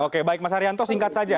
oke baik mas arianto singkat saja